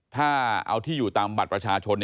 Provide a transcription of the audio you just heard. ถ้าเอาที่อยู่ตามบัตรประชาชน